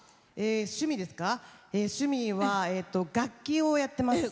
趣味は楽器をやってます。